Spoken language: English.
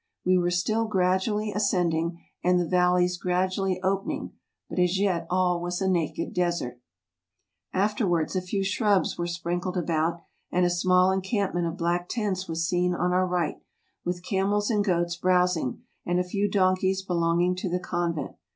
We were still gra¬ dually ascending, and the valleys gradually opening, but as yet all was a naked desert. Afterwards a few shrubs were sprinkled about, and a small encamp¬ ment of black tents was seen on our right, with camels and goats browsing, and a few donkeys be¬ longing to the convent.